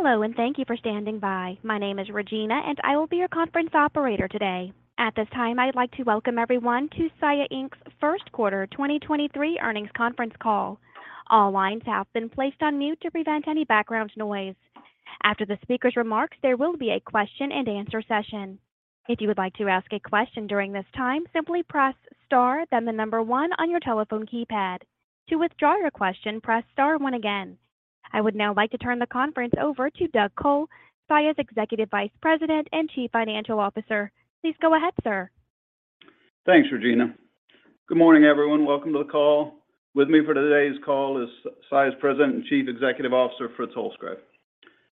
Hello, and thank you for standing by. My name is Regina, and I will be your conference operator today. At this time, I'd like to welcome everyone to Saia, Inc.'s first quarter 2023 earnings conference call. All lines have been placed on mute to prevent any background noise. After the speaker's remarks, there will be a question-and-answer session. If you would like to ask a question during this time, simply press star then the number 1 on your telephone keypad. To withdraw your question, press star 1 again. I would now like to turn the conference over to Doug Col, Saia's Executive Vice President and Chief Financial Officer. Please go ahead, sir. Thanks, Regina. Good morning, everyone. Welcome to the call. With me for today's call is Saia's President and Chief Executive Officer, Fritz Holzgrefe.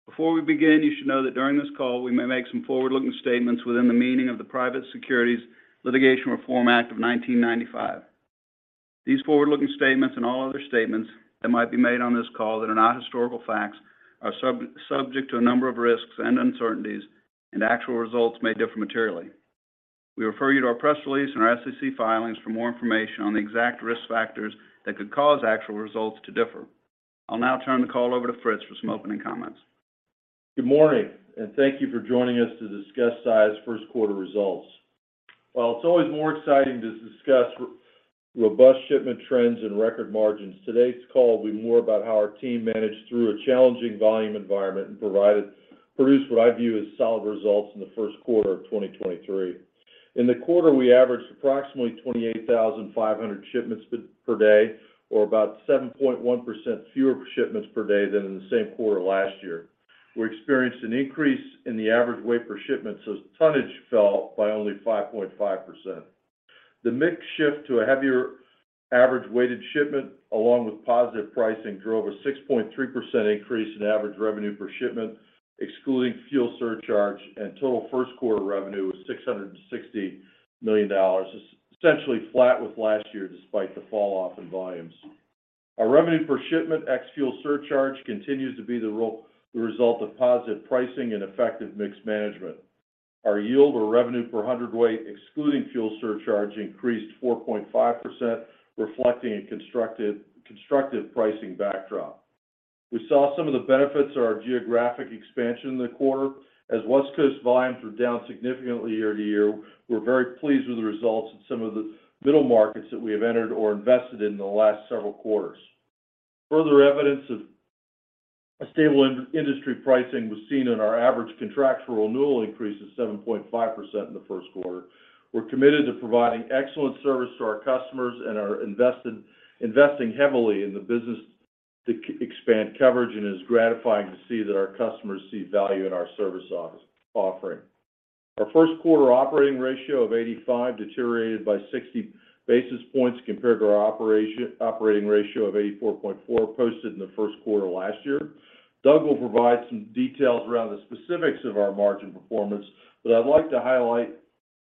Before we begin, you should know that during this call, we may make some forward-looking statements within the meaning of the Private Securities Litigation Reform Act of 1995. These forward-looking statements and all other statements that might be made on this call that are subject to a number of risks and uncertainties, actual results may differ materially. We refer you to our press release and our SEC filings for more information on the exact risk factors that could cause actual results to differ. I'll now turn the call over to Fritz for some opening comments. Good morning, thank you for joining us to discuss Saia's first quarter results. While it's always more exciting to discuss robust shipment trends and record margins, today's call will be more about how our team managed through a challenging volume environment and produced what I view as solid results in the first quarter of 2023. In the quarter, we averaged approximately 28,500 shipments per day or about 7.1% fewer shipments per day than in the same quarter last year. We experienced an increase in the average weight per shipment, so tonnage fell by only 5.5%. The mix shift to a heavier average weighted shipment, along with positive pricing, drove a 6.3% increase in average revenue per shipment, excluding fuel surcharge. Total first quarter revenue was $660 million, essentially flat with last year despite the fall off in volumes. Our revenue per shipment ex-fuel surcharge continues to be the result of positive pricing and effective mix management. Our yield or revenue per hundredweight, excluding fuel surcharge, increased 4.5%, reflecting a constructive pricing backdrop. We saw some of the benefits of our geographic expansion in the quarter. As West Coast volumes were down significantly year-to-year, we're very pleased with the results in some of the middle markets that we have entered or invested in the last several quarters. Further evidence of a stable industry pricing was seen in our average contractual renewal increase of 7.5% in the first quarter. We're committed to providing excellent service to our customers and are investing heavily in the business to expand coverage. It is gratifying to see that our customers see value in our service offering. Our first quarter operating ratio of 85 deteriorated by 60 basis points compared to our operating ratio of 84.4 posted in the first quarter last year. Doug will provide some details around the specifics of our margin performance. I'd like to highlight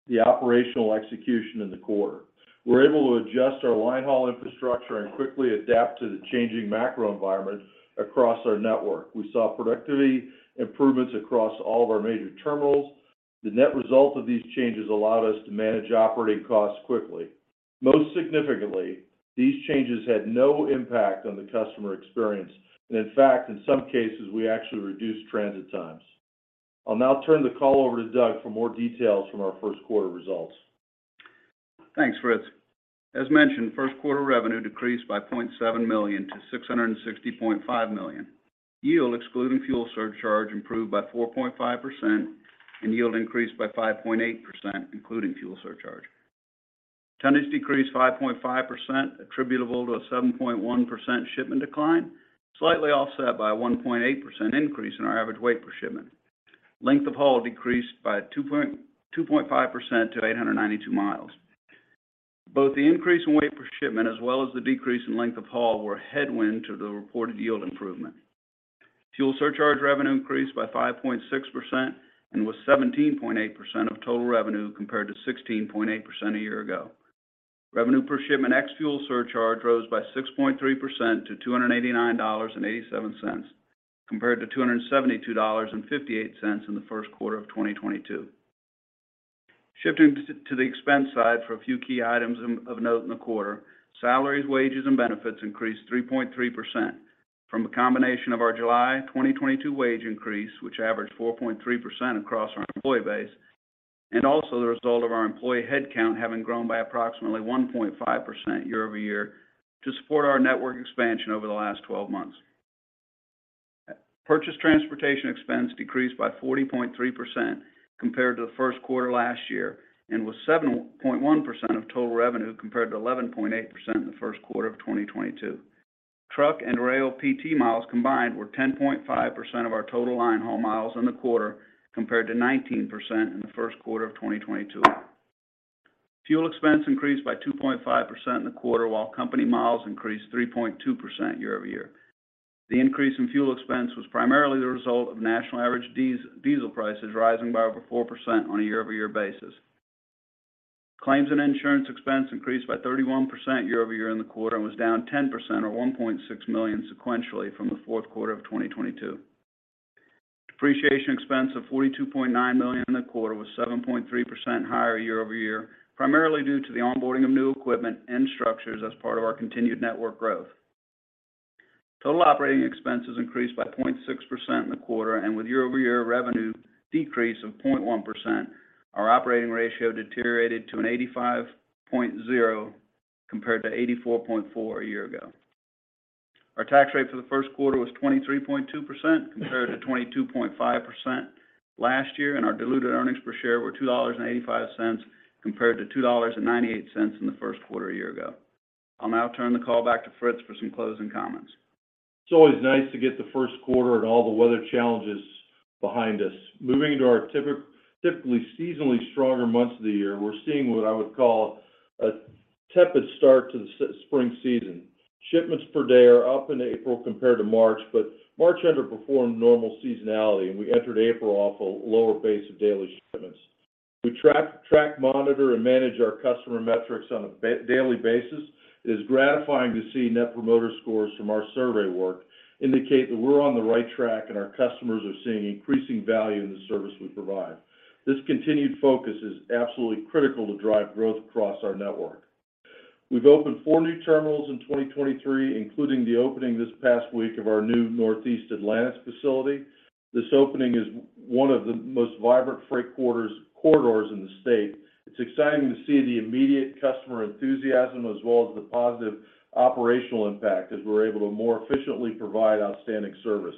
the operational execution in the quarter. We were able to adjust our linehaul infrastructure and quickly adapt to the changing macro environment across our network. We saw productivity improvements across all of our major terminals. The net result of these changes allowed us to manage operating costs quickly. Most significantly, these changes had no impact on the customer experience. In fact, in some cases, we actually reduced transit times. I'll now turn the call over to Doug for more details from our first quarter results. Thanks, Fritz. As mentioned, first quarter revenue decreased by $0.7 million to $660.5 million. Yield, excluding fuel surcharge, improved by 4.5%. Yield increased by 5.8%, including fuel surcharge. Tonnage decreased 5.5% attributable to a 7.1% shipment decline, slightly offset by a 1.8% increase in our average weight per shipment. Length of haul decreased by 2.5% to 892 miles. Both the increase in weight per shipment as well as the decrease in length of haul were a headwind to the reported yield improvement. Fuel surcharge revenue increased by 5.6% and was 17.8% of total revenue compared to 16.8% a year ago. Revenue per shipment ex fuel surcharge rose by 6.3% to $289.87 compared to $272.58 in the first quarter of 2022. Shifting to the expense side for a few key items of note in the quarter. Salaries, wages, and benefits increased 3.3% from a combination of our July 2022 wage increase, which averaged 4.3% across our employee base, and also the result of our employee headcount having grown by approximately 1.5% year-over-year to support our network expansion over the last 12 months. Purchase transportation expense decreased by 40.3% compared to the first quarter last year and was 7.1% of total revenue compared to 11.8% in the first quarter of 2022. Truck and rail PT miles combined were 10.5% of our total linehaul miles in the quarter compared to 19% in the first quarter of 2022. Fuel expense increased by 2.5% in the quarter, while company miles increased 3.2% year-over-year. The increase in fuel expense was primarily the result of national average diesel prices rising by over 4% on a year-over-year basis. Claims and insurance expense increased by 31% year-over-year in the quarter and was down 10% or $1.6 million sequentially from the fourth quarter of 2022. Depreciation expense of $42.9 million in the quarter was 7.3% higher year-over-year, primarily due to the onboarding of new equipment and structures as part of our continued network growth. Total operating expenses increased by 0.6% in the quarter. With year-over-year revenue decrease of 0.1%, our operating ratio deteriorated to an 85.0 compared to 84.4 a year ago. Our tax rate for the first quarter was 23.2% compared to 22.5% last year, and our diluted earnings per share were $2.85 compared to $2.98 in the first quarter a year ago. I'll now turn the call back to Fritz for some closing comments. It's always nice to get the first quarter and all the weather challenges behind us. Moving to our typically seasonally stronger months of the year, we're seeing what I would call a tepid start to the spring season. Shipments per day are up in April compared to March. March underperformed normal seasonality. We entered April off a lower base of daily shipments. We track, monitor, and manage our customer metrics on a daily basis. It is gratifying to see Net Promoter Scores from our survey work indicate that we're on the right track and our customers are seeing increasing value in the service we provide. This continued focus is absolutely critical to drive growth across our network. We've opened 4 new terminals in 2023, including the opening this past week of our new Northeast Atlanta facility. This opening is one of the most vibrant freight corridors in the state. It's exciting to see the immediate customer enthusiasm as well as the positive operational impact as we're able to more efficiently provide outstanding service.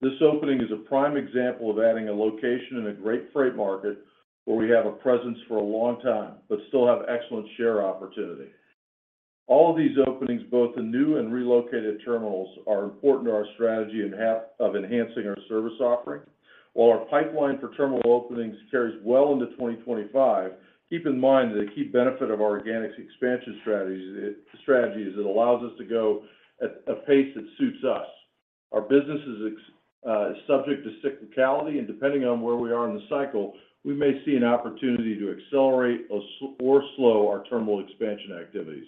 This opening is a prime example of adding a location in a great freight market where we have a presence for a long time but still have excellent share opportunity. All of these openings, both the new and relocated terminals, are important to our strategy of enhancing our service offering. While our pipeline for terminal openings carries well into 2025, keep in mind that a key benefit of our organics expansion strategies, strategy is it allows us to go at a pace that suits us. Our business is subject to cyclicality. Depending on where we are in the cycle, we may see an opportunity to accelerate or slow our terminal expansion activities.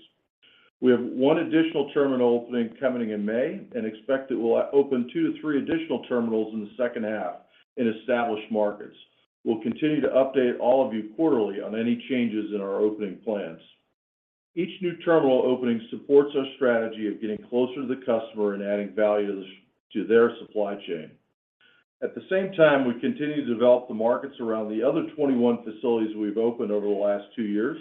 We have one additional terminal opening coming in May and expect that we'll open 2-3 additional terminals in the second half in established markets. We'll continue to update all of you quarterly on any changes in our opening plans. Each new terminal opening supports our strategy of getting closer to the customer and adding value to their supply chain. The same time, we continue to develop the markets around the other 21 facilities we've opened over the last 2 years.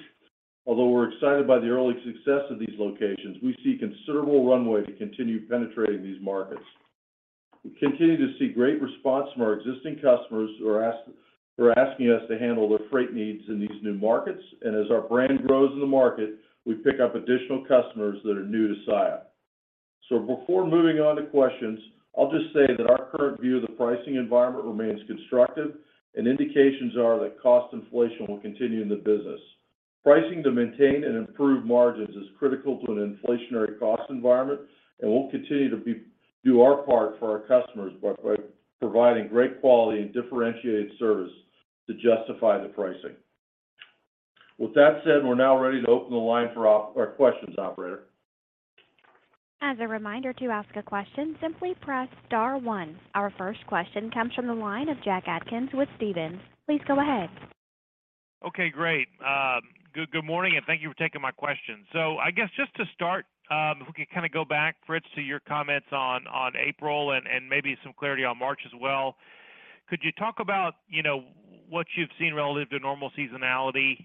We're excited by the early success of these locations, we see considerable runway to continue penetrating these markets. We continue to see great response from our existing customers who are asking us to handle their freight needs in these new markets. As our brand grows in the market, we pick up additional customers that are new to Saia. Before moving on to questions, I'll just say that our current view of the pricing environment remains constructive, and indications are that cost inflation will continue in the business. Pricing to maintain and improve margins is critical to an inflationary cost environment, and we'll continue to do our part for our customers by providing great quality and differentiated service to justify the pricing. With that said, we're now ready to open the line for questions, operator. As a reminder, to ask a question, simply press star one. Our first question comes from the line of Jack Atkins with Stephens. Please go ahead. Okay, great. Good morning, and thank you for taking my question. I guess just to start, if we could kind of go back, Fritz, to your comments on April and maybe some clarity on March as well. Could you talk about, you know, what you've seen relative to normal seasonality,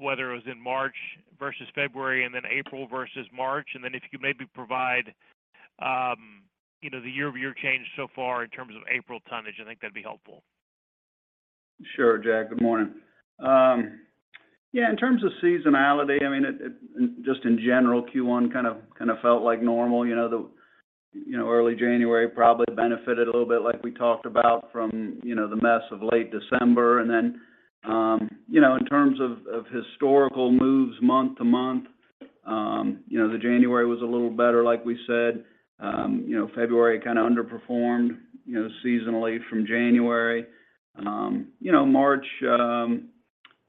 whether it was in March versus February and then April versus March? If you could maybe provide, you know, the year-over-year change so far in terms of April tonnage, I think that'd be helpful. Sure, Jack. Good morning. Yeah, in terms of seasonality, I mean, it just in general, Q1 kind of felt like normal. You know, the, you know, early January probably benefited a little bit like we talked about from, you know, the mess of late December. Then, you know, in terms of historical moves month to month, you know, the January was a little better like we said. You know, February kind of underperformed, you know, seasonally from January. You know, March,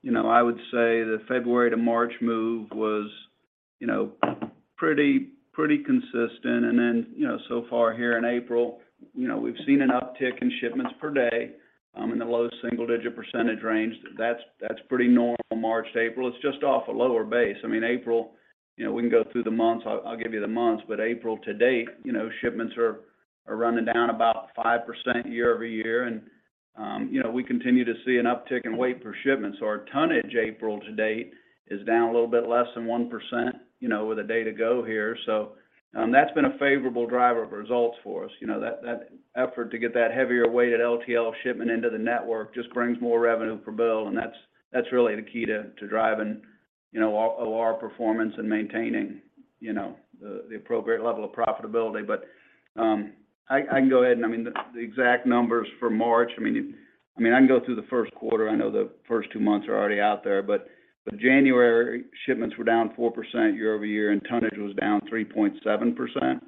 you know, I would say the February to March move was, you know, pretty consistent. Then, you know, so far here in April, you know, we've seen an uptick in shipments per day in the low single-digit % range. That's pretty normal March to April. It's just off a lower base. I mean, April, you know, we can go through the months. I'll give you the months, but April to date, you know, shipments are running down about 5% year-over-year. We continue to see an uptick in weight per shipment. Our tonnage April to date is down a little bit less than 1%, you know, with a day to go here. That's been a favorable driver of results for us. You know, that effort to get that heavier-weighted LTL shipment into the network just brings more revenue per bill, and that's really the key to driving, you know, OR performance and maintaining, you know, the appropriate level of profitability. I can go ahead, and I mean, the exact numbers for March, I mean, you... I mean, I can go through the first quarter. I know the first 2 months are already out there. January shipments were down 4% year-over-year, and tonnage was down 3.7%.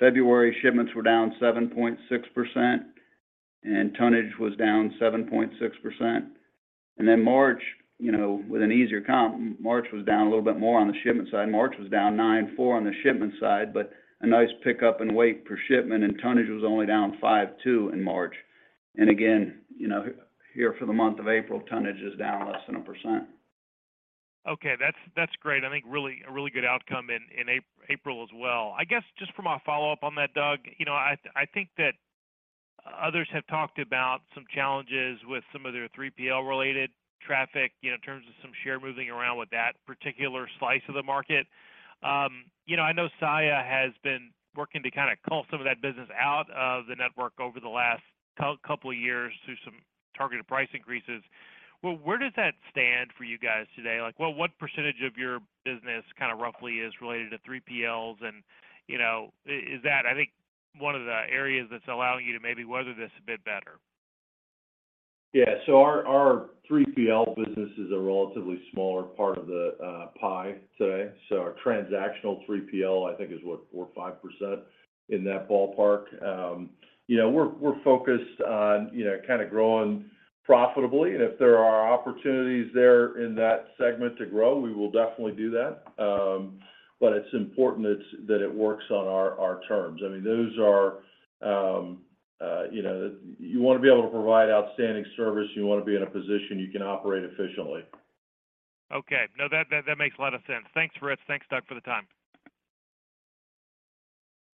February shipments were down 7.6%, and tonnage was down 7.6%. March, you know, with an easier comp, March was down a little bit more on the shipment side. March was down 9.4% on the shipment side, but a nice pickup in weight per shipment, and tonnage was only down 5.2% in March. Again, you know, here for the month of April, tonnage is down less than 1%. Okay, that's great. I think really a really good outcome in April as well. I guess just for my follow-up on that, Doug, you know, I think that others have talked about some challenges with some of their 3PL related traffic, you know, in terms of some share moving around with that particular slice of the market. You know, I know Saia has been working to kind of cull some of that business out of the network over the last couple of years through some targeted price increases. Well, where does that stand for you guys today? Like, what percentage of your business kind of roughly is related to 3PLs? And, you know, is that, I think, one of the areas that's allowing you to maybe weather this a bit better? Our 3PL business is a relatively smaller part of the pie today. Our transactional 3PL, I think is what? 4% or 5%, in that ballpark. You know, we're focused on, you know, kind of growing profitably. If there are opportunities there in that segment to grow, we will definitely do that. It's important that it works on our terms. I mean, those are. You know, you want to be able to provide outstanding service. You want to be in a position you can operate efficiently. Okay. No, that makes a lot of sense. Thanks, Fritz. Thanks, Doug, for the time.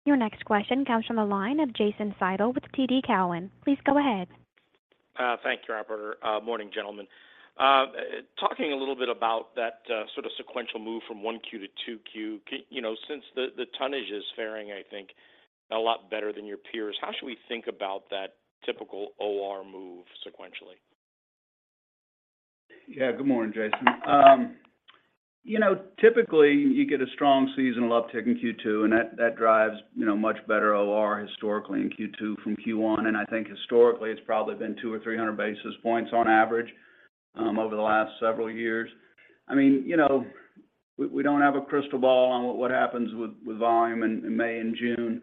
Your next question comes from the line of Jason Seidl with TD Cowen. Please go ahead. Thank you, operator. Morning, gentlemen. Talking a little bit about that, sort of sequential move from Q1 to Q2. You know, since the tonnage is faring, I think, a lot better than your peers, how should we think about that typical OR move sequentially? Good morning, Jason Seidl. You know, typically you get a strong seasonal uptick in Q2, and that drives, you know, much better OR historically in Q2 from Q1. I think historically it's probably been 200 or 300 basis points on average over the last several years. I mean, you know, we don't have a crystal ball on what happens with volume in May and June.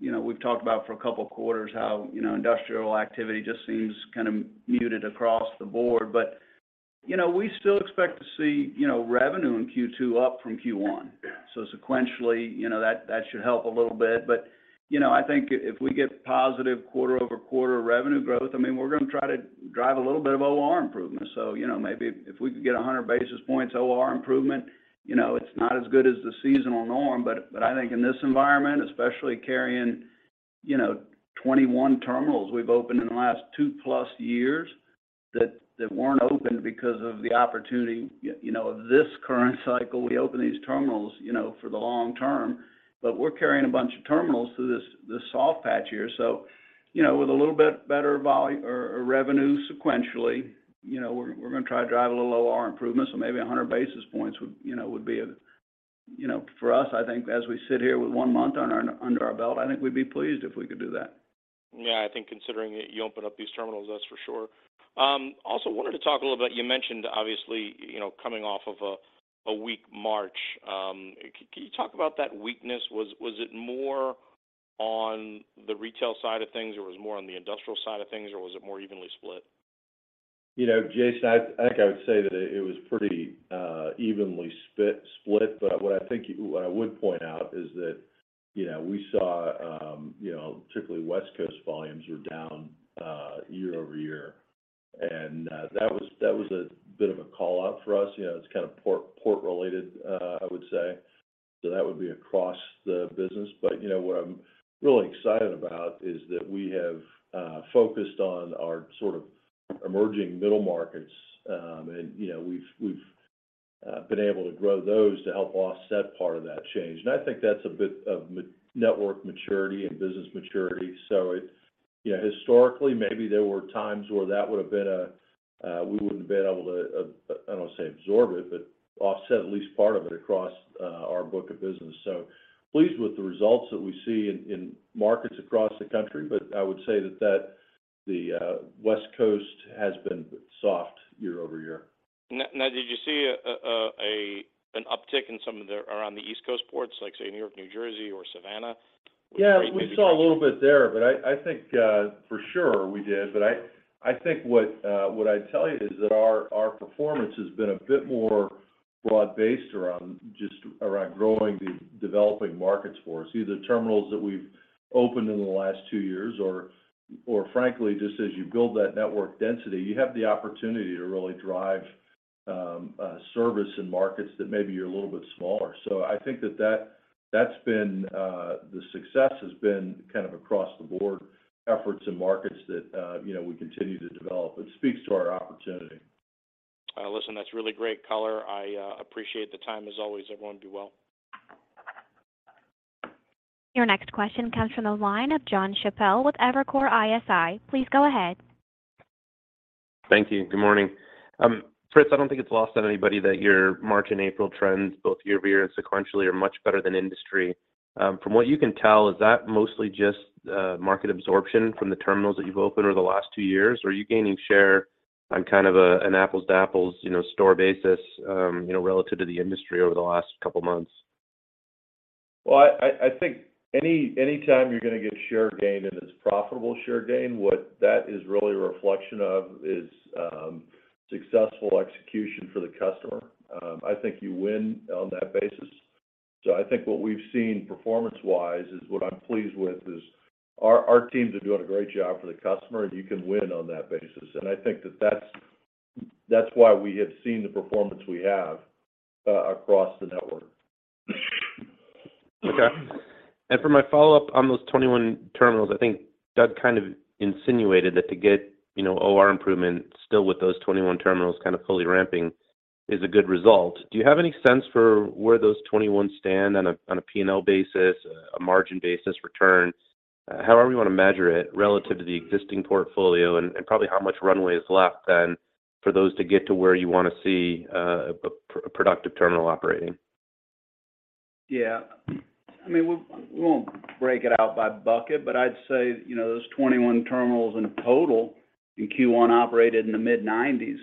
You know, we've talked about for a couple of quarters how, you know, industrial activity just seems kind of muted across the board. You know, we still expect to see, you know, revenue in Q2 up from Q1. Sequentially, you know, that should help a little bit. You know, I think if we get positive quarter-over-quarter revenue growth, I mean, we're going to try to drive a little bit of OR improvement. You know, maybe if we can get 100 basis points OR improvement, you know, it's not as good as the seasonal norm. But I think in this environment, especially carrying, you know, 21 terminals we've opened in the last 2+ years that weren't open because of the opportunity, you know, of this current cycle. We opened these terminals, you know, for the long term. We're carrying a bunch of terminals through this soft patch here. You know, with a little bit better revenue sequentially, you know, we're going to try to drive a little OR improvement. Maybe 100 basis points would, you know, would be a... You know, for us, I think as we sit here with 1 month under our belt, I think we'd be pleased if we could do that. Yeah. I think considering you opened up these terminals, that's for sure. Also wanted to talk a little about, you mentioned obviously, you know, coming off of a weak March. Can you talk about that weakness? Was it more on the retail side of things, or it was more on the industrial side of things, or was it more evenly split? You know, Jason, I think I would say that it was pretty evenly split. What I would point out is that, you know, we saw, you know, particularly West Coast volumes were down year-over-year. That was a bit of a call-out for us. You know, it's kind of port-related, I would say. That would be across the business. You know, what I'm really excited about is that we have focused on our sort of emerging middle markets. You know, we've been able to grow those to help offset part of that change. I think that's a bit of network maturity and business maturity. You know, historically, maybe there were times where that would have been a... We wouldn't have been able to, I don't want to say absorb it, but offset at least part of it across our book of business. Pleased with the results that we see in markets across the country. I would say that the West Coast has been soft year-over-year. Now, did you see an uptick in some of the... around the East Coast ports, like say New York, New Jersey or Savannah? Yeah. With freight. We saw a little bit there, but I think for sure we did. I think what I'd tell you is that our performance has been a bit more broad-based around growing the developing markets for us. Either terminals that we've opened in the last 2 years, or frankly, just as you build that network density, you have the opportunity to really drive service in markets that maybe are a little bit smaller. I think that's been the success has been kind of across the board efforts in markets that, you know, we continue to develop. It speaks to our opportunity. Listen, that's really great color. I appreciate the time as always. Everyone do well. Your next question comes from the line of Jonathan Chappell with Evercore ISI. Please go ahead. Thank you. Good morning. Fritz, I don't think it's lost on anybody that your March and April trends, both year-over-year and sequentially, are much better than industry. From what you can tell, is that mostly just market absorption from the terminals that you've opened over the last 2 years? Or are you gaining share on kind of a, an apples to apples, you know, store basis, you know, relative to the industry over the last couple of months? Well, I think any time you're going to get share gain, and it's profitable share gain, what that is really a reflection of is successful execution for the customer. I think you win on that basis. I think what we've seen performance-wise is what I'm pleased with is our teams are doing a great job for the customer, and you can win on that basis. I think that's why we have seen the performance we have across the network. Okay. For my follow-up on those 21 terminals, I think Doug kind of insinuated that to get, you know, OR improvement still with those 21 terminals kind of fully ramping is a good result. Do you have any sense for where those 21 stand on a, on a P&L basis, a margin basis return, however you want to measure it relative to the existing portfolio, and probably how much runway is left then for those to get to where you want to see, a productive terminal operating? Yeah. I mean, we won't break it out by bucket, but I'd say, you know, those 21 terminals in total in Q1 operated in the mid-90s,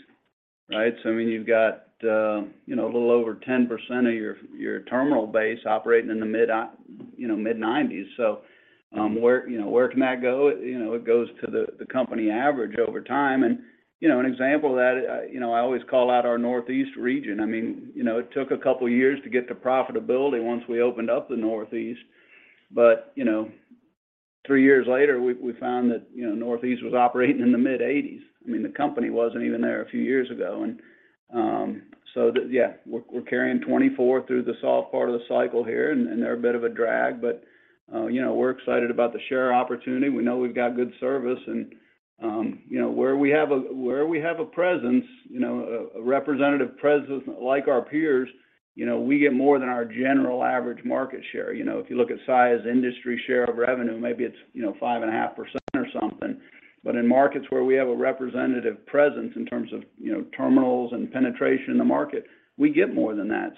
right? I mean, you've got, you know, a little over 10% of your terminal base operating in the mid, you know, mid-90s. Where, you know, where can that go? You know, it goes to the company average over time. You know, an example of that, you know, I always call out our Northeast region. I mean, you know, it took a couple of years to get to profitability once we opened up the Northeast. You know, 3 years later, we found that, you know, Northeast was operating in the mid-80s. I mean, the company wasn't even there a few years ago. We're carrying 2024 through the soft part of the cycle here, and they're a bit of a drag. We're excited about the share opportunity. We know we've got good service, and where we have a presence, a representative presence like our peers, we get more than our general average market share. If you look at Saia, industry share of revenue, maybe it's 5.5% or something. In markets where we have a representative presence in terms of terminals and penetration in the market, we get more than that.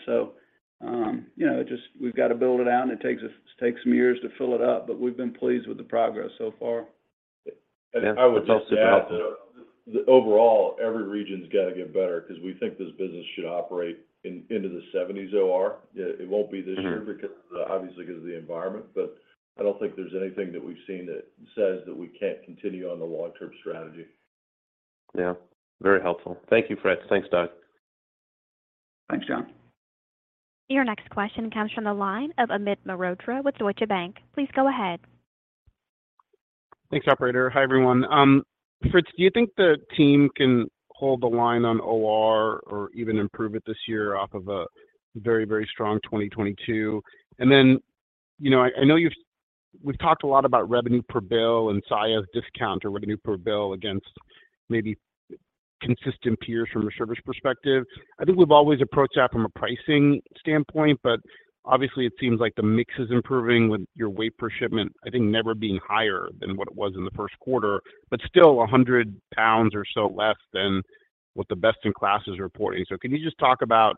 Just we've got to build it out, and it takes some years to fill it up, but we've been pleased with the progress so far. Yeah. That's helpful. I would just add that overall, every region's got to get better because we think this business should operate in, into the seventies OR. It won't be this year. Mm-hmm... because, obviously because of the environment. I don't think there's anything that we've seen that says that we can't continue on the long-term strategy. Yeah. Very helpful. Thank you, Fritz. Thanks, Doug. Thanks, Jonathan. Your next question comes from the line of Amit Mehrotra with Deutsche Bank. Please go ahead. Thanks, operator. Hi, everyone. Fritz, do you think the team can hold the line on OR or even improve it this year off of a very, very strong 2022? You know, I know we've talked a lot about revenue per bill and size discount or revenue per bill against maybe consistent peers from a service perspective. I think we've always approached that from a pricing standpoint, but obviously it seems like the mix is improving with your weight per shipment, I think never being higher than what it was in the first quarter, but still 100 pounds or so less than what the best in class is reporting. Can you just talk about,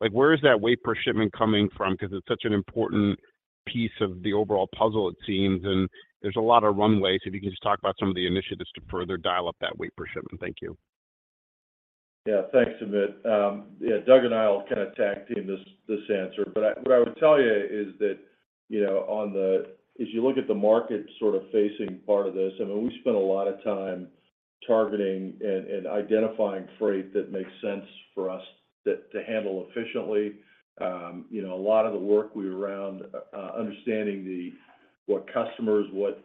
like, where is that weight per shipment coming from? Because it's such an important piece of the overall puzzle, it seems, and there's a lot of runway. If you can just talk about some of the initiatives to further dial up that weight per shipment. Thank you. Yeah. Thanks, Amit. Yeah, Doug and I will kind of tag team this answer. What I would tell you is that, you know, as you look at the market sort of facing part of this, I mean, we spent a lot of time targeting and identifying freight that makes sense for us to handle efficiently. You know, a lot of the work we around, understanding the what customers, what,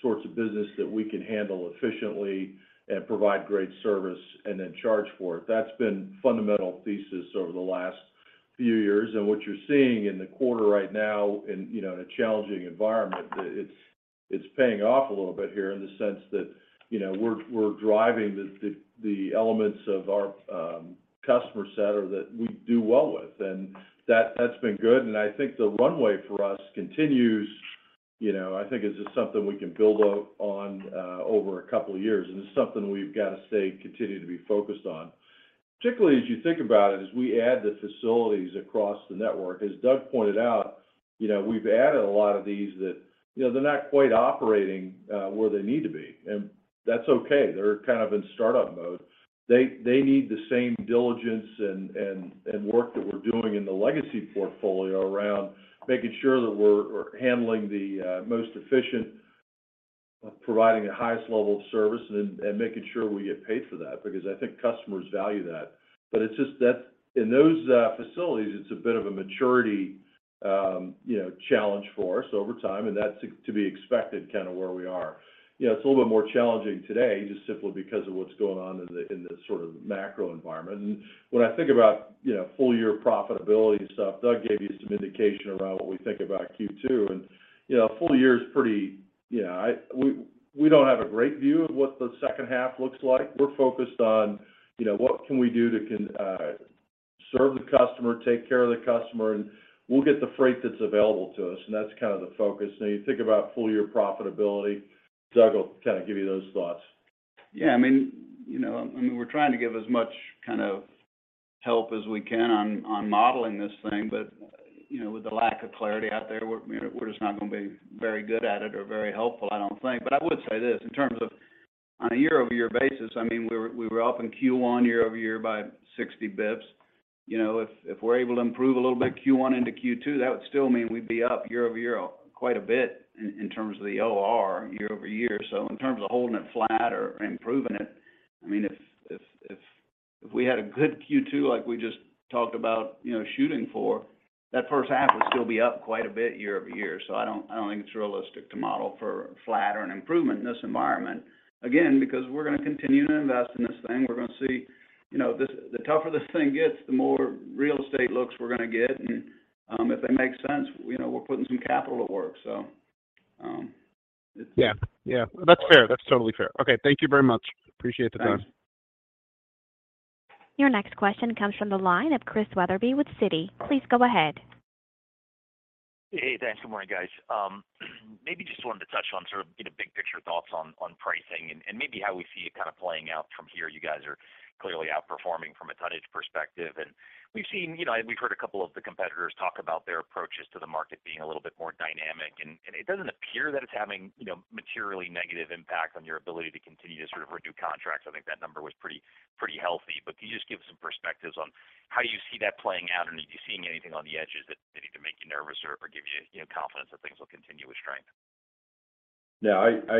sorts of business that we can handle efficiently and provide great service and then charge for it. That's been fundamental thesis over the last few years. What you're seeing in the quarter right now in, you know, in a challenging environment, that it's paying off a little bit here in the sense that, you know, we're driving the elements of our customer set or that we do well with. That's been good. I think the runway for us continues. You know, I think it's just something we can build on over a couple of years, and it's something we've got to stay continue to be focused on. Particularly as you think about it, as we add the facilities across the network, as Doug pointed out, you know, we've added a lot of these that, you know, they're not quite operating where they need to be, and that's okay. They're kind of in startup mode. They need the same diligence and work that we're doing in the legacy portfolio around making sure that we're handling the most efficient, providing the highest level of service and making sure we get paid for that because I think customers value that. It's just that in those facilities, it's a bit of a maturity, you know, challenge for us over time, and that's to be expected kind of where we are. You know, it's a little bit more challenging today just simply because of what's going on in the sort of macro environment. When I think about, you know, full year profitability stuff, Doug gave you some indication around what we think about Q2. You know, full year is pretty... You know, we don't have a great view of what the second half looks like. We're focused on, you know, what can we do to serve the customer, take care of the customer, and we'll get the freight that's available to us. That's kind of the focus. Now you think about full year profitability, Doug will kind of give you those thoughts. I mean, you know, I mean, we're trying to give as much kind of help as we can on modeling this thing. You know, with the lack of clarity out there, we're, you know, we're just not going to be very good at it or very helpful, I don't think. I would say this, in terms of on a year-over-year basis, I mean, we were, we were up in Q1 year-over-year by 60 basis points. You know, if we're able to improve a little bit Q1 into Q2, that would still mean we'd be up year-over-year quite a bit in terms of the OR year-over-year. In terms of holding it flat or improving it, I mean, if If we had a good Q2 like we just talked about, you know, shooting for, that first half would still be up quite a bit year-over-year. I don't think it's realistic to model for flat or an improvement in this environment. Again, because we're gonna continue to invest in this thing, we're gonna see, you know, the tougher this thing gets, the more real estate looks we're gonna get. If they make sense, you know, we're putting some capital to work. Yeah. That's fair. That's totally fair. Okay, thank you very much. Appreciate the time. Thanks. Your next question comes from the line of Chris Wetherbee with Citi. Please go ahead. Thanks. Good morning, guys. Maybe just wanted to touch on sort of, you know, big picture thoughts on pricing and maybe how we see it kind of playing out from here. You guys are clearly outperforming from a tonnage perspective. We've seen, you know, and we've heard a couple of the competitors talk about their approaches to the market being a little bit more dynamic. It doesn't appear that it's having, you know, materially negative impact on your ability to continue to sort of renew contracts. I think that number was pretty healthy. Can you just give some perspectives on how do you see that playing out? Are you seeing anything on the edges that maybe make you nervous or give you know, confidence that things will continue with strength? I,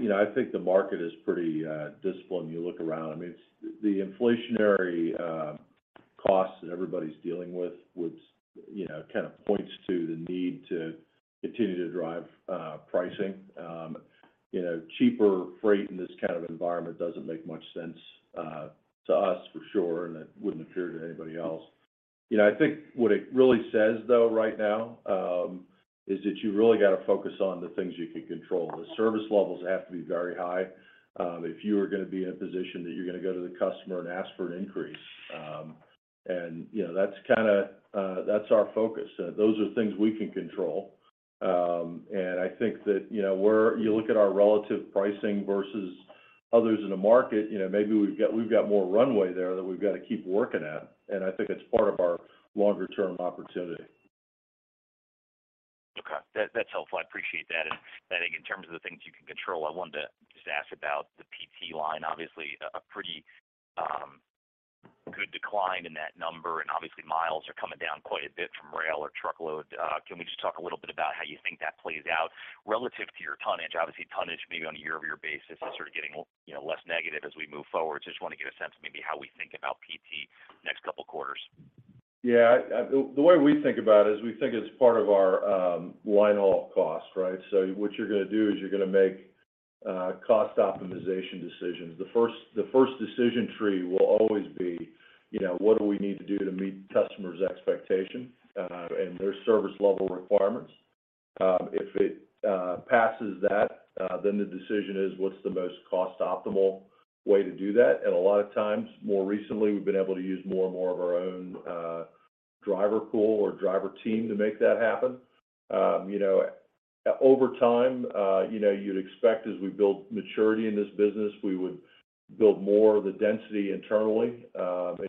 you know, I think the market is pretty disciplined when you look around. I mean, it's the inflationary costs that everybody's dealing with, which, you know, kind of points to the need to continue to drive pricing. You know, cheaper freight in this kind of environment doesn't make much sense to us for sure, and it wouldn't appear to anybody else. You know, I think what it really says though right now, is that you really got to focus on the things you can control. The service levels have to be very high if you are gonna be in a position that you're gonna go to the customer and ask for an increase. You know, that's kind of, that's our focus. Those are things we can control. I think that, you know, you look at our relative pricing versus others in the market, you know, maybe we've got, we've got more runway there that we've got to keep working at, and I think it's part of our longer term opportunity. Okay. That's helpful. I appreciate that. I think in terms of the things you can control, I wanted to just ask about the PT line. Obviously a pretty good decline in that number, and obviously miles are coming down quite a bit from rail or truckload. Can we just talk a little bit about how you think that plays out relative to your tonnage? Obviously tonnage maybe on a year-over-year basis is sort of getting, you know, less negative as we move forward. Just want to get a sense of maybe how we think about PT next couple quarters. Yeah. The way we think about it is we think it's part of our line haul cost, right? What you're gonna do is you're gonna make cost optimization decisions. The first decision tree will always be, you know, what do we need to do to meet customers' expectation and their service level requirements? If it passes that, the decision is what's the most cost optimal way to do that. A lot of times, more recently, we've been able to use more and more of our own driver pool or driver team to make that happen. You know, over time, you know, you'd expect as we build maturity in this business, we would build more of the density internally.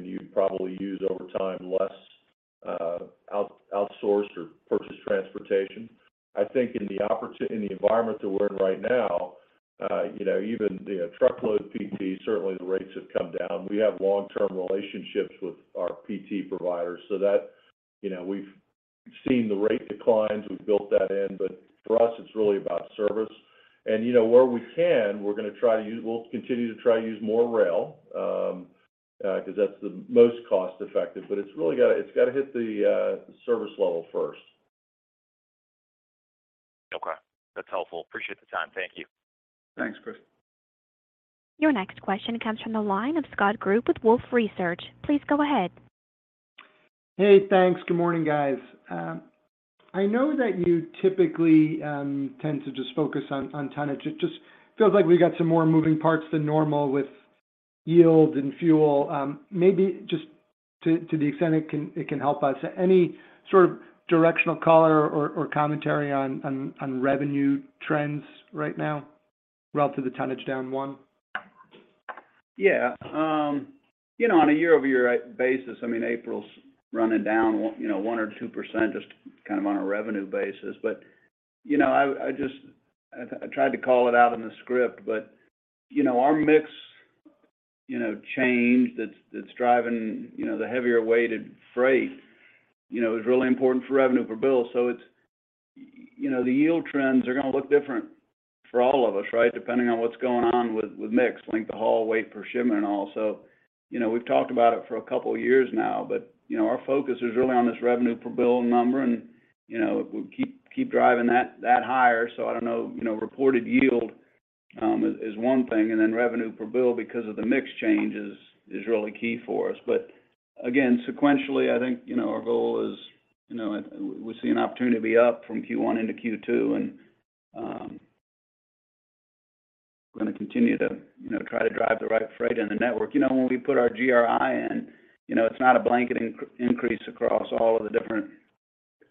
You'd probably use over time less outsourced or purchased transportation. I think in the environment that we're in right now, you know, even the truckload PT, certainly the rates have come down. We have long-term relationships with our PT providers so that, you know, we've seen the rate declines, we've built that in. For us, it's really about service. You know, where we can, we'll continue to try to use more rail, 'cause that's the most cost-effective. It's really gotta hit the service level first. That's helpful. Appreciate the time. Thank you. Thanks, Chris. Your next question comes from the line of Scott Group with Wolfe Research. Please go ahead. Hey, thanks. Good morning, guys. I know that you typically tend to just focus on tonnage. It just feels like we got some more moving parts than normal with yield and fuel. Maybe just to the extent it can help us, any sort of directional color or commentary on revenue trends right now relative to the tonnage down one? Yeah. You know, on a year-over-year basis, I mean, April's running down 1, you know, 1% or 2% just kind of on a revenue basis. You know, I tried to call it out in the script, but, you know, our mix, you know, change that's driving, you know, the heavier weighted freight, you know, is really important for revenue per bill. You know, the yield trends are gonna look different for all of us, right? Depending on what's going on with mix, length of haul, weight per shipment and all. You know, we've talked about it for a couple years now, but, you know, our focus is really on this revenue per bill number and, you know, we keep driving that higher. I don't know, you know, reported yield is one thing, and then revenue per bill because of the mix change is really key for us. Again, sequentially, I think, you know, our goal is, you know. We see an opportunity to be up from Q1 into Q2, and we're gonna continue to, you know, try to drive the right freight in the network. You know, when we put our GRI in, it's not a blanket increase across all of the different,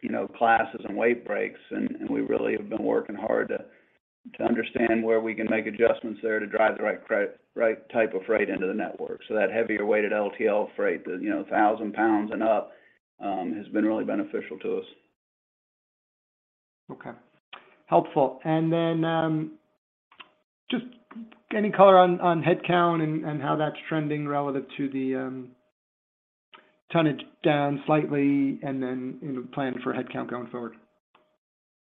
you know, classes and weight breaks. We really have been working hard to understand where we can make adjustments there to drive the right type of freight into the network. That heavier weighted LTL freight, the, you know, 1,000 pounds and up, has been really beneficial to us. Okay. Helpful. Just any color on headcount and how that's trending relative to the tonnage down slightly and, you know, plan for headcount going forward?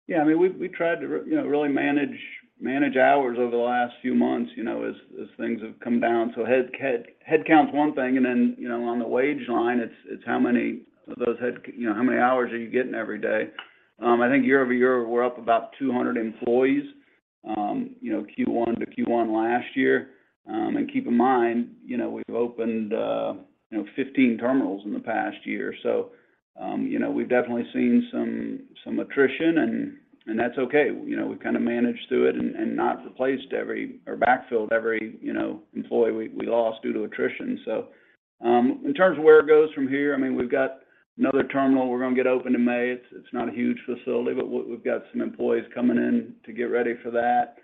Yeah, I mean, we tried to you know, really manage hours over the last few months, you know, as things have come down. Headcount's one thing, and then, you know, on the wage line, it's how many of those you know, how many hours are you getting every day. I think year-over-year, we're up about 200 employees, you know, Q1 to Q1 last year. Keep in mind, you know, we've opened, you know, 15 terminals in the past year. You know, we've definitely seen some attrition, and that's okay. You know, we've kinda managed through it and not replaced every or backfilled every, you know, employee we lost due to attrition. In terms of where it goes from here, I mean, we've got another terminal we're gonna get open in May. It's, it's not a huge facility, but we've got some employees coming in to get ready for that.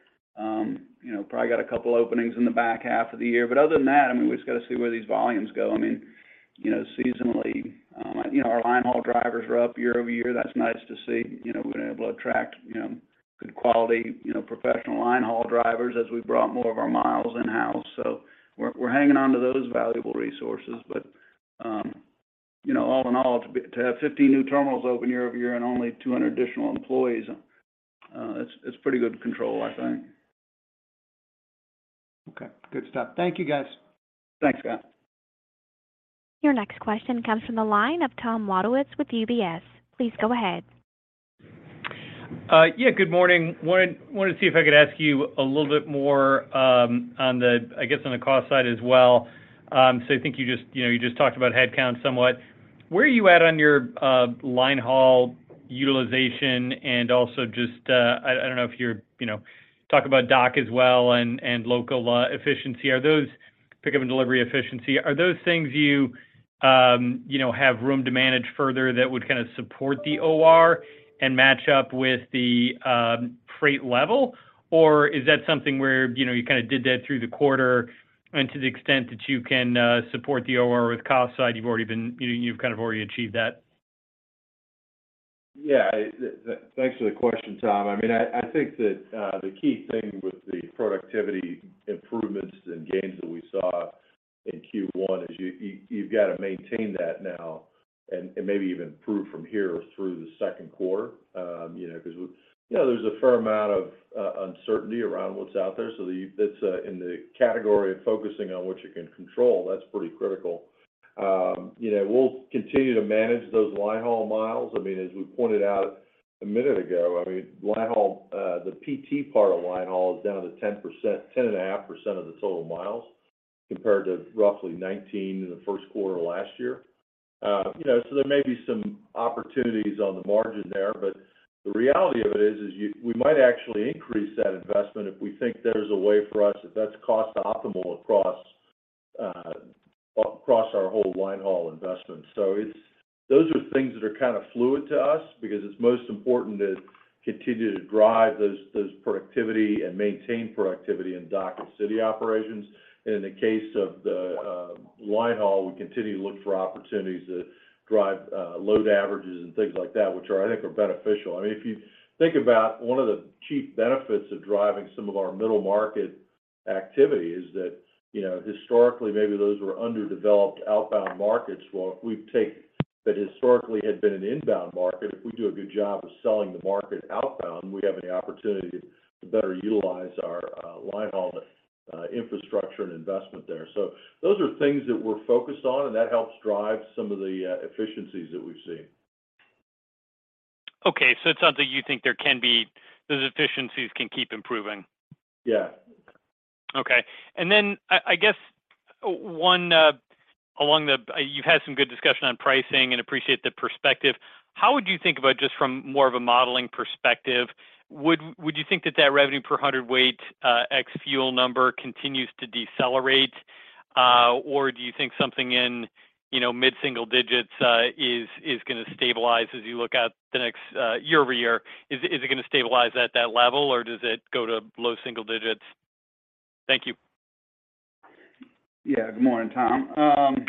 You know, probably got a couple openings in the back half of the year. Other than that, I mean, we just gotta see where these volumes go. I mean, you know, seasonally, you know, our linehaul drivers are up year-over-year. That's nice to see. You know, we've been able to attract, you know, good quality, you know, professional linehaul drivers as we brought more of our miles in-house. We're hanging on to those valuable resources. You know, all in all, to have 15 new terminals open year-over-year and only 200 additional employees, it's pretty good control, I think. Okay. Good stuff. Thank you, guys. Thanks, Scott. Your next question comes from the line of Tom Wadewitz with UBS. Please go ahead. Yeah. Good morning. Wanted to see if I could ask you a little bit more on the, I guess, on the cost side as well. I think you just, you know, you just talked about headcount somewhat. Where are you at on your linehaul utilization and also just, I don't know if you're, you know, talk about dock as well and local efficiency? Are those pick up and delivery efficiency, are those things you know, have room to manage further that would kinda support the OR and match up with the freight level? Or is that something where, you know, you kinda did that through the quarter, and to the extent that you can support the OR with cost side, you've kind of already achieved that? Yeah. Thanks for the question, Tom. I mean, I think that the key thing with the productivity improvements and gains that we saw in Q1 is you've got to maintain that now and maybe even improve from here through the second quarter. You know, there's a fair amount of uncertainty around what's out there. That's in the category of focusing on what you can control. That's pretty critical. You know, we'll continue to manage those linehaul miles. I mean, as we pointed out a minute ago, I mean, linehaul, the PT part of linehaul is down to 10%, 10.5% of the total miles compared to roughly 19% in the first quarter last year. You know, so there may be some opportunities on the margin there, but the reality of it is, we might actually increase that investment if we think there's a way for us, if that's cost optimal across our whole linehaul investment. Those are things that are kinda fluid to us because it's most important to continue to drive those productivity and maintain productivity in dock and city operations. In the case of the linehaul, we continue to look for opportunities to drive load averages and things like that, which are, I think, are beneficial. I mean, if you think about one of the chief benefits of driving some of our middle market activity is that, you know, historically, maybe those were underdeveloped outbound markets. If we take that historically had been an inbound market, if we do a good job of selling the market outbound, we have the opportunity to better utilize our linehaul infrastructure and investment there. Those are things that we're focused on, and that helps drive some of the efficiencies that we've seen. Okay. It's not that you think those efficiencies can keep improving. Yeah. Okay. I guess one. You've had some good discussion on pricing and appreciate the perspective. How would you think about just from more of a modeling perspective, would you think that that revenue per hundredweight ex fuel number continues to decelerate? Do you think something in, you know, mid-single digits is gonna stabilize as you look at the next year-over-year? Is it gonna stabilize at that level, or does it go to low single digits? Thank you. Yeah. Good morning, Tom.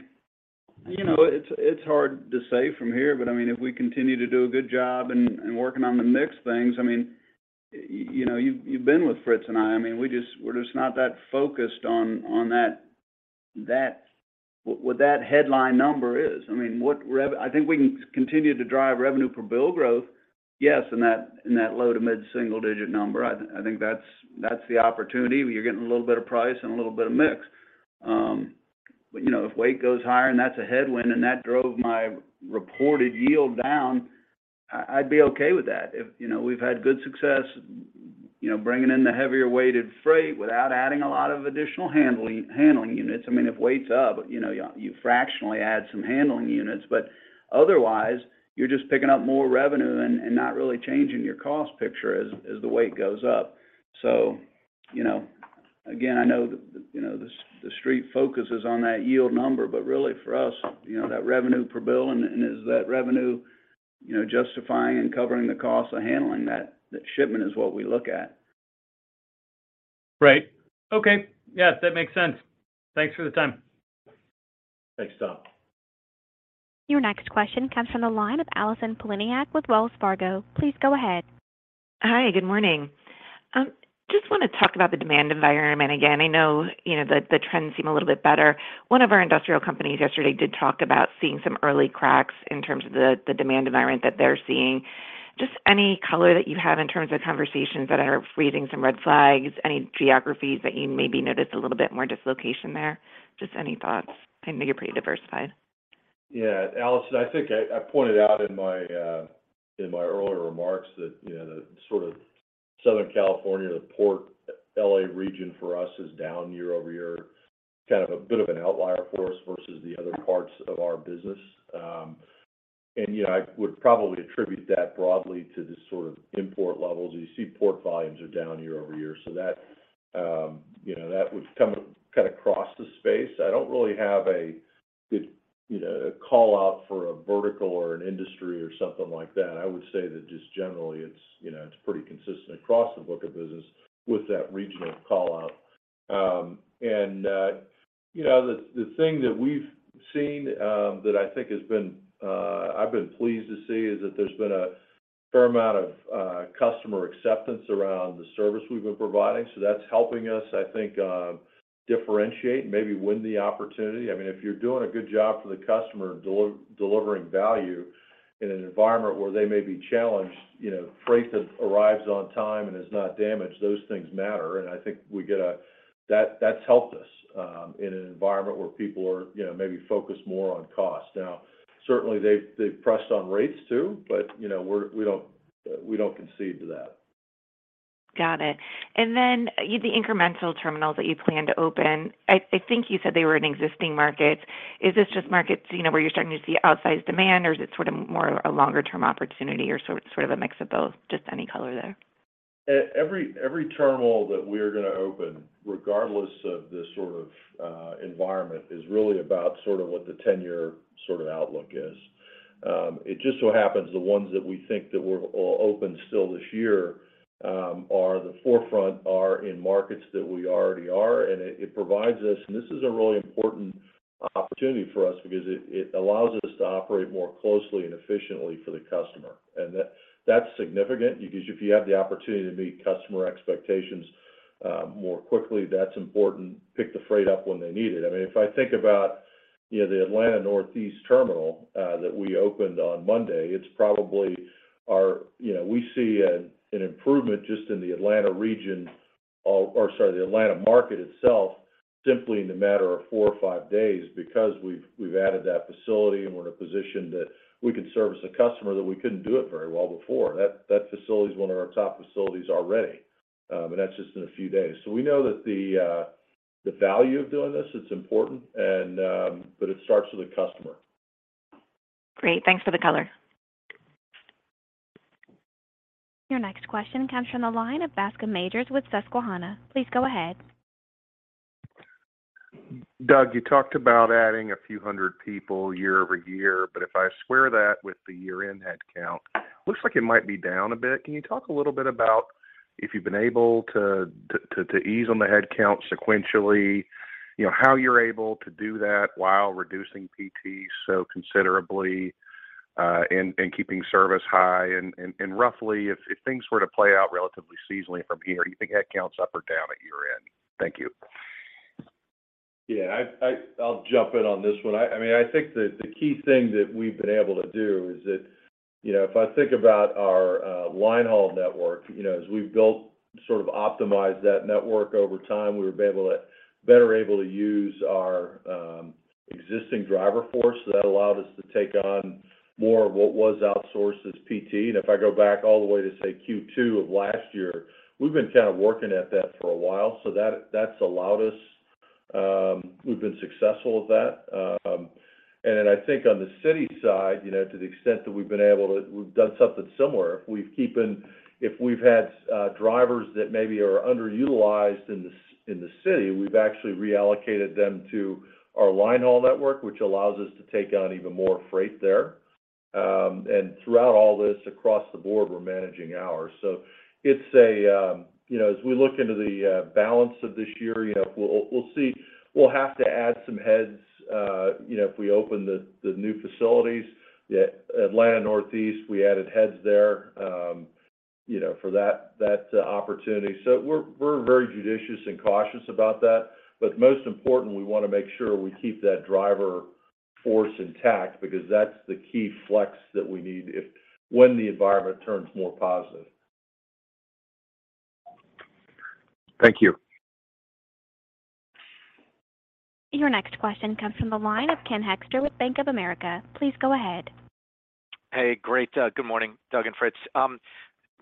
you know, it's hard to say from here, but I mean, if we continue to do a good job in working on the mix things, I mean, you know, you've been with Fritz and I. I mean, we're just not that focused on what that headline number is. I mean, I think we can continue to drive revenue per bill growth. Yes, in that low to mid-single digit number. I think that's the opportunity where you're getting a little bit of price and a little bit of mix. you know, if weight goes higher, and that's a headwind, and that drove my reported yield down, I'd be okay with that. If. You know, we've had good success, you know, bringing in the heavier weighted freight without adding a lot of additional handling units. I mean, if weight's up, you know, you fractionally add some handling units, but otherwise, you're just picking up more revenue and not really changing your cost picture as the weight goes up. You know, again, I know the, you know, the Street focuses on that yield number. Really for us, you know, that revenue per bill and is that revenue, you know, justifying and covering the cost of handling that shipment is what we look at. Right. Okay. Yes, that makes sense. Thanks for the time. Thanks, Tom. Your next question comes from the line of Allison Poliniak-Cusic with Wells Fargo. Please go ahead. Hi, good morning. Just want to talk about the demand environment. Again, I know, you know, the trends seem a little bit better. One of our industrial companies yesterday did talk about seeing some early cracks in terms of the demand environment that they're seeing. Just any color that you have in terms of conversations that are raising some red flags, any geographies that you maybe noticed a little bit more dislocation there? Just any thoughts. I know you're pretty diversified. Allison Poliniak-Cusic, I think I pointed out in my earlier remarks that, you know, the sort of Southern California port L.A. region for us is down year-over-year, kind of a bit of an outlier for us versus the other parts of our business. You know, I would probably attribute that broadly to the sort of import levels. You see port volumes are down year-over-year. That, you know, that would come kind of across the space. I don't really have a, you know, a call-out for a vertical or an industry or something like that. I would say that just generally it's, you know, it's pretty consistent across the book of business with that regional call-out. You know, the thing that we've seen, that I think has been, I've been pleased to see is that there's been a fair amount of customer acceptance around the service we've been providing. That's helping us, I think, differentiate, maybe win the opportunity. I mean, if you're doing a good job for the customer delivering value in an environment where they may be challenged, you know, freight that arrives on time and is not damaged, those things matter. I think we get a... That's helped us in an environment where people are, you know, maybe focused more on cost. Certainly they've pressed on rates too, but, you know, we don't concede to that. Got it. The incremental terminals that you plan to open, I think you said they were in existing markets. Is this just markets, you know, where you're starting to see outsized demand, or is it sort of more a longer term opportunity, or sort of a mix of both? Just any color there. Every terminal that we're going to open, regardless of the sort of environment, is really about sort of what the 10-year sort of outlook is. It just so happens the ones that we think that we're all open still this year are the forefront are in markets that we already are, and it provides us. This is a really important opportunity for us because it allows us to operate more closely and efficiently for the customer. That's significant because if you have the opportunity to meet customer expectations more quickly, that's important. Pick the freight up when they need it. I mean, if I think about, you know, the Atlanta Northeast terminal that we opened on Monday, it's probably our You know, we see an improvement just in the Atlanta region or sorry, the Atlanta market itself simply in a matter of 4 or 5 days because we've added that facility, and we're in a position that we can service a customer that we couldn't do it very well before. That facility is one of our top facilities already. That's just in a few days. We know that the value of doing this, it's important and it starts with the customer. Great. Thanks for the color. Your next question comes from the line of Bascome Majors with Susquehanna. Please go ahead. Doug, you talked about adding a few hundred people year-over-year, but if I square that with the year-end head count, looks like it might be down a bit. Can you talk a little bit about if you've been able to ease on the head count sequentially? You know, how you're able to do that while reducing PT so considerably, and keeping service high and roughly if things were to play out relatively seasonally from here, do you think head count's up or down at year-end? Thank you. Yeah, I'll jump in on this one. I mean, I think the key thing that we've been able to do is that, you know, if I think about our line haul network, you know, as we've built, sort of optimized that network over time, we've been better able to use our existing driver force. That allowed us to take on more of what was outsourced as PT. If I go back all the way to, say, Q2 of last year, we've been kind of working at that for a while. That, that's allowed us, we've been successful with that. Then I think on the city side, you know, to the extent that we've been able to, we've done something similar. We've keeping... If we've had drivers that maybe are underutilized in the city, we've actually reallocated them to our line haul network, which allows us to take on even more freight there. Throughout all this, across the board, we're managing hours. It's a, you know, as we look into the balance of this year, you know, we'll see. We'll have to add some heads, you know, if we open the new facilities. Atlanta Northeast, we added heads there, you know, for that opportunity. We're very judicious and cautious about that. But most importantly, we want to make sure we keep that driver force intact because that's the key flex that we need if when the environment turns more positive. Thank you. Your next question comes from the line of Ken Hoexter with Bank of America. Please go ahead. Hey, great. Good morning, Doug and Fritz.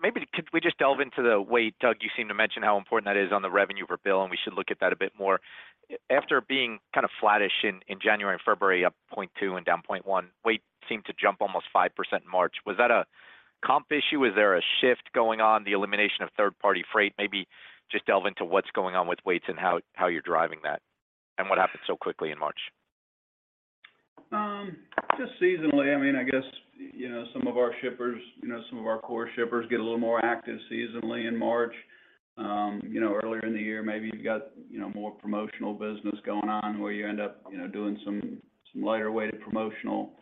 Maybe could we just delve into the weight? Doug, you seem to mention how important that is on the revenue per bill, and we should look at that a bit more. After being kind of flattish in January and February, up 0.2% and down 0.1%, weight seemed to jump almost 5% in March. Was that a comp issue? Is there a shift going on, the elimination of third-party freight? Maybe just delve into what's going on with weights and how you're driving that and what happened so quickly in March. Just seasonally. I mean, I guess, you know, some of our shippers, you know, some of our core shippers get a little more active seasonally in March. You know, earlier in the year, maybe you've got, you know, more promotional business going on where you end up, you know, doing some lighter weighted promotional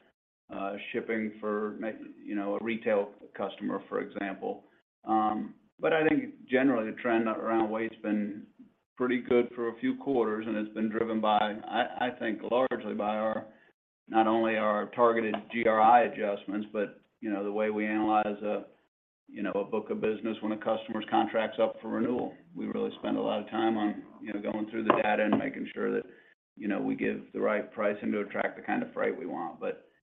shipping for a retail customer, for example. I think generally the trend around weight's been pretty good for a few quarters, and it's been driven by, I think largely by our, not only our targeted GRI adjustments, but you know, the way we analyze a, you know, a book of business when a customer's contract's up for renewal. We really spend a lot of time on, you know, going through the data and making sure that, you know, we give the right pricing to attract the kind of freight we want.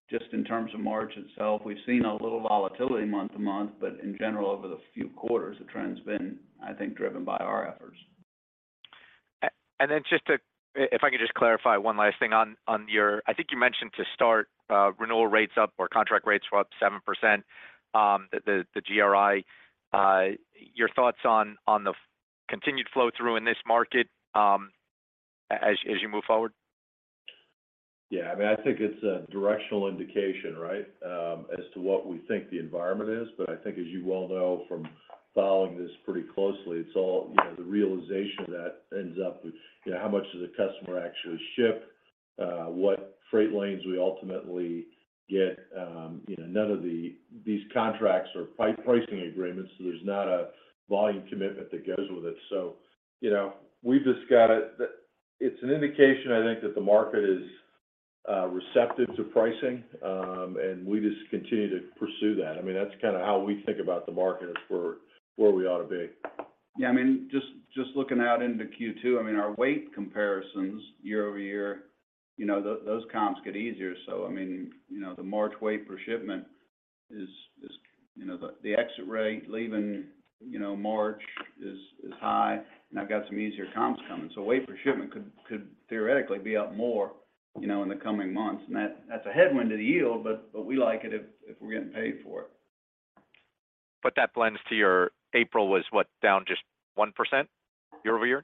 Just in terms of March itself, we've seen a little volatility month to month, but in general, over the few quarters, the trend's been, I think, driven by our efforts. Just to clarify one last thing. I think you mentioned to start, renewal rates up or contract rates were up 7%. The GRI. Your thoughts on the continued flow through in this market, as you move forward? Yeah. I mean, I think it's a directional indication, right? As to what we think the environment is. I think as you well know from following this pretty closely, it's all, you know, the realization that ends up with, you know, how much does a customer actually ship? What freight lanes we ultimately get. You know, none of these contracts are pricing agreements, so there's not a volume commitment that goes with it. You know, we've just got it. It's an indication I think that the market is receptive to pricing, and we just continue to pursue that. I mean, that's kinda how we think about the market as for where we ought to be. Yeah, I mean, just looking out into Q2, I mean our weight comparisons year-over-year, you know, those comps get easier. I mean, you know, the March weight per shipment is... You know, the exit rate leaving, you know, March is high, and I've got some easier comps coming. Weight per shipment could theoretically be up more, you know, in the coming months. That's a headwind to the yield, but we like it if we're getting paid for it. That blends to your April was what? Down just 1% year-over-year?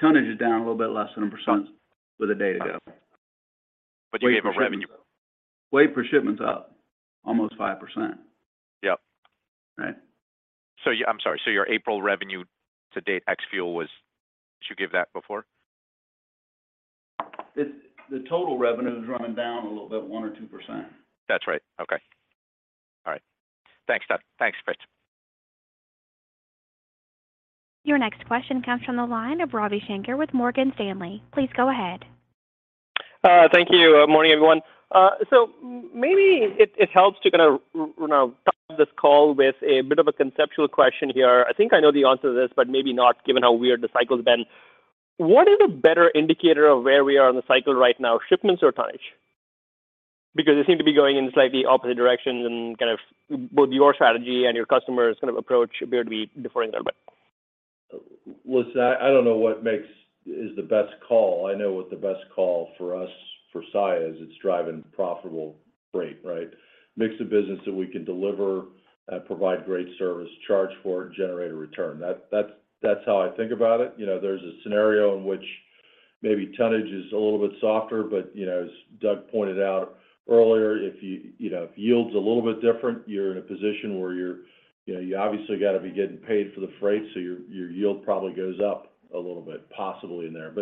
Tonnage is down a little bit less than 1% with a day to go. you gave a revenue. Weight per shipment's up almost 5%. Yep. Right. I'm sorry. Your April revenue to date ex fuel was... Did you give that before? The total revenue is running down a little bit, 1% or 2%. That's right. Okay. All right. Thanks, Doug. Thanks, Fritz. Your next question comes from the line of Ravi Shanker with Morgan Stanley. Please go ahead. Thank you. Morning, everyone. Maybe it helps to kind of you know, start this call with a bit of a conceptual question here. I think I know the answer to this, but maybe not given how weird the cycle's been. What is a better indicator of where we are in the cycle right now, shipments or tonnage? They seem to be going in slightly opposite directions, and kind of both your strategy and your customers kind of approach appear to be differing a bit. Listen, I don't know what is the best call. I know what the best call for us, for Saia is, it's driving profitable freight, right? Mix of business that we can deliver, provide great service, charge for it, and generate a return. That's how I think about it. You know, there's a scenario in which maybe tonnage is a little bit softer, but you know, as Doug pointed out earlier, if you know, if yield's a little bit different, you're in a position where you know, you obviously gotta be getting paid for the freight, so your yield probably goes up a little bit possibly in there.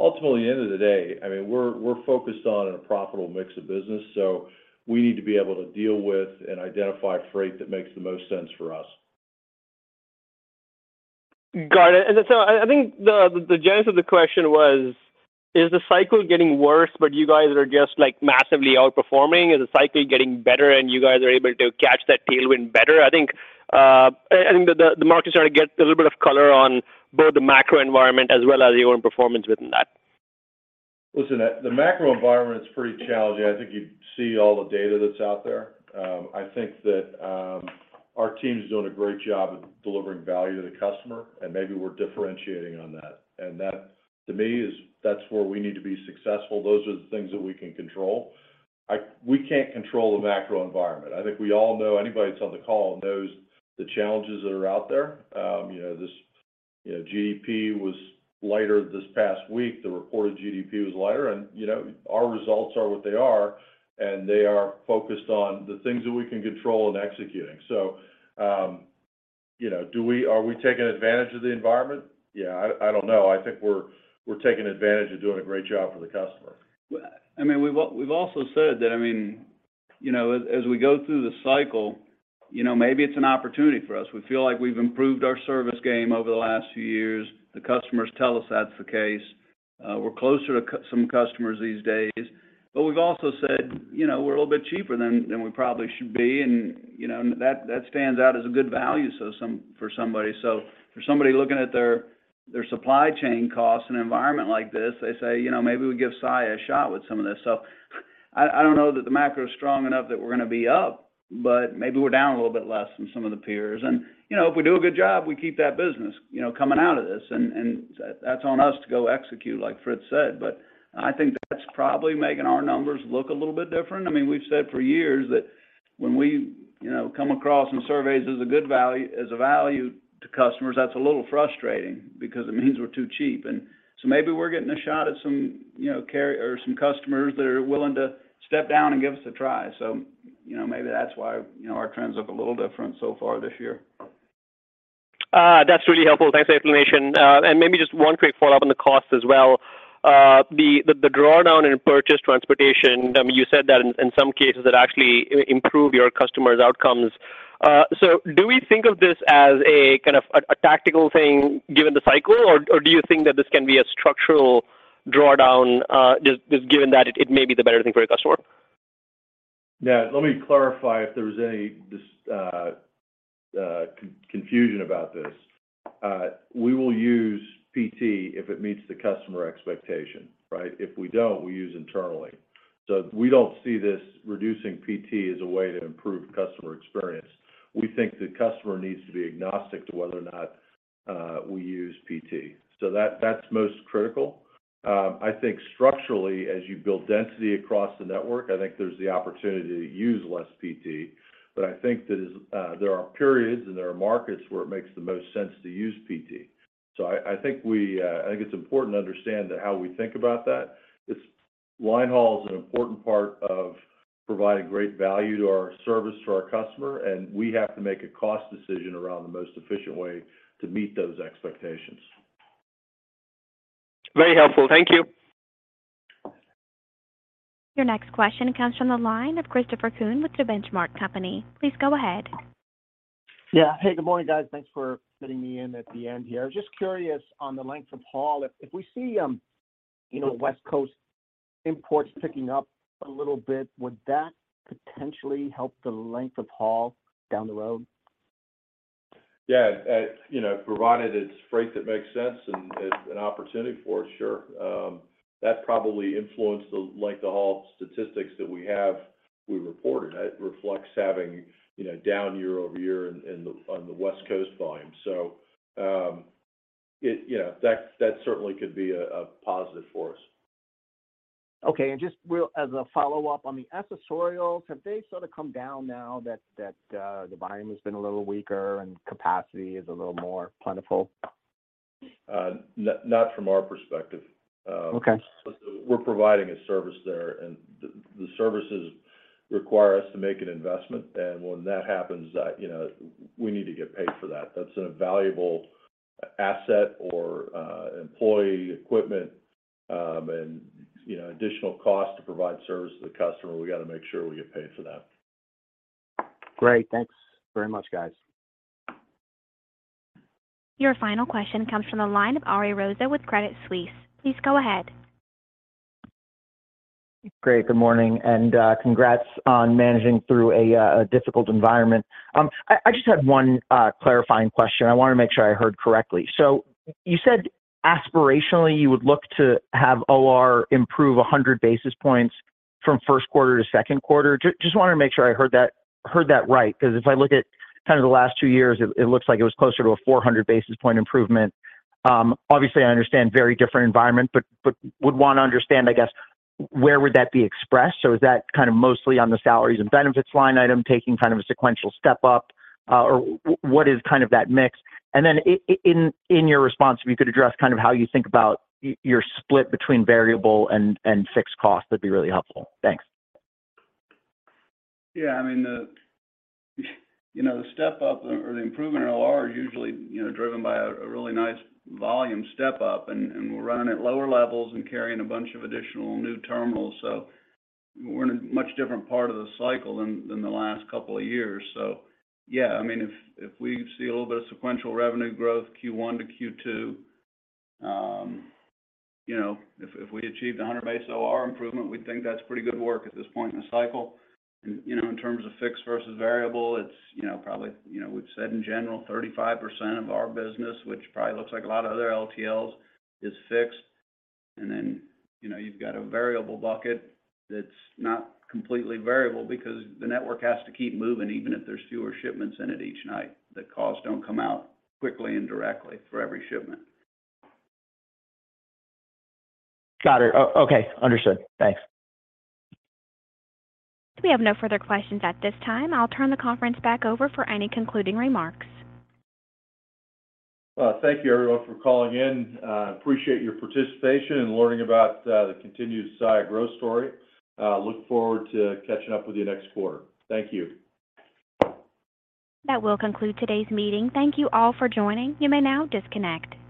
Ultimately, at the end of the day, I mean, we're focused on a profitable mix of business. We need to be able to deal with and identify freight that makes the most sense for us. Got it. I think the genesis of the question was, is the cycle getting worse, but you guys are just like massively outperforming? Is the cycle getting better and you guys are able to catch that tailwind better? I think the market's trying to get a little bit of color on both the macro environment as well as your own performance within that. Listen, the macro environment's pretty challenging. I think you see all the data that's out there. I think that our team's doing a great job at delivering value to the customer, and maybe we're differentiating on that. That to me is that's where we need to be successful. Those are the things that we can control. We can't control the macro environment. I think we all know, anybody that's on the call knows the challenges that are out there. you know, this, you know, GDP was lighter this past week. The reported GDP was lighter, and, you know, our results are what they are, and they are focused on the things that we can control and executing. you know, do we are we taking advantage of the environment? Yeah, I don't know. I think we're taking advantage of doing a great job for the customer. Well, I mean, we've also said that, I mean, you know, as we go through the cycle, you know, maybe it's an opportunity for us. We feel like we've improved our service game over the last few years. The customers tell us that's the case. We're closer to some customers these days. We've also said, you know, we're a little bit cheaper than we probably should be. You know, that stands out as a good value for somebody. For somebody looking at their supply chain costs in an environment like this, they say, "You know, maybe we give Saia a shot with some of this." I don't know that the macro is strong enough that we're gonna be up, but maybe we're down a little bit less than some of the peers. You know, if we do a good job, we keep that business, you know, coming out of this, and that's on us to go execute, like Fritz said. I think that's probably making our numbers look a little bit different. I mean, we've said for years that when we, you know, come across in surveys as a good value, as a value to customers, that's a little frustrating because it means we're too cheap. Maybe we're getting a shot at some, you know, carrier or some customers that are willing to step down and give us a try. So You know, maybe that's why, you know, our trends look a little different so far this year. That's really helpful. Thanks for the explanation. And maybe just one quick follow-up on the cost as well. The drawdown in purchased transportation, I mean, you said that in some cases it actually improved your customers' outcomes. So do we think of this as a kind of a tactical thing given the cycle, or do you think that this can be a structural drawdown, just given that it may be the better thing for your customer? Let me clarify if there was any just confusion about this. We will use PT if it meets the customer expectation, right? If we don't, we use internally. We don't see this reducing PT as a way to improve customer experience. We think the customer needs to be agnostic to whether or not we use PT. That's most critical. I think structurally, as you build density across the network, I think there's the opportunity to use less PT, but I think that is, there are periods and there are markets where it makes the most sense to use PT. I think we, I think it's important to understand how we think about that. This line haul is an important part of providing great value to our service for our customer, and we have to make a cost decision around the most efficient way to meet those expectations. Very helpful. Thank you. Your next question comes from the line of Christopher Kuhn with The Benchmark Company. Please go ahead. Yeah. Hey, good morning, guys. Thanks for fitting me in at the end here. Just curious on the length of haul, if we see, you know, West Coast imports picking up a little bit, would that potentially help the length of haul down the road? Yeah. You know, provided it's freight that makes sense and an opportunity for us, sure. That probably influenced the length of haul statistics that we have, we reported. It reflects having, you know, down year-over-year in the, on the West Coast volume. You know, that certainly could be a positive for us. Okay. Just as a follow-up on the accessorials, have they sort of come down now that the volume has been a little weaker and capacity is a little more plentiful? not from our perspective. Okay... we're providing a service there, and the services require us to make an investment. When that happens, you know, we need to get paid for that. That's a valuable asset or, employee equipment, and, you know, additional cost to provide service to the customer. We gotta make sure we get paid for that. Great. Thanks very much, guys. Your final question comes from the line of Ariel Rosa with Credit Suisse. Please go ahead. Great. Good morning, and congrats on managing through a difficult environment. I just had one clarifying question I wanna make sure I heard correctly. You said aspirationally, you would look to have OR improve 100 basis points from first quarter to second quarter. Just wanted to make sure I heard that right. If I look at kind of the last 2 years, it looks like it was closer to a 400 basis point improvement. Obviously, I understand very different environment, but would wanna understand, I guess, where would that be expressed, or is that kind of mostly on the salaries and benefits line item taking kind of a sequential step up, or what is kind of that mix? In your response, if you could address kind of how you think about your split between variable and fixed costs, that'd be really helpful. Thanks. Yeah. I mean, the, you know, the step up or the improvement in OR are usually, you know, driven by a really nice volume step up, and we're running at lower levels and carrying a bunch of additional new terminals. We're in a much different part of the cycle than the last couple of years. Yeah, I mean, if we see a little bit of sequential revenue growth Q1 to Q2, you know, if we achieve the 100 base OR improvement, we think that's pretty good work at this point in the cycle. You know, in terms of fixed versus variable, it's, you know, probably, you know, we've said in general 35% of our business, which probably looks like a lot of other LTLs, is fixed. You know, you've got a variable bucket that's not completely variable because the network has to keep moving even if there's fewer shipments in it each night. The costs don't come out quickly and directly for every shipment. Got it. Okay. Understood. Thanks. We have no further questions at this time. I'll turn the conference back over for any concluding remarks. Thank you everyone for calling in. Appreciate your participation in learning about the continued Saia growth story. Look forward to catching up with you next quarter. Thank you. That will conclude today's meeting. Thank you all for joining. You may now disconnect.